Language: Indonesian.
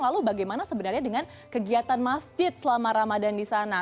lalu bagaimana sebenarnya dengan kegiatan masjid selama ramadan di sana